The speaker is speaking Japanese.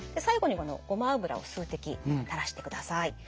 最後にこのごま油を数滴たらしてください。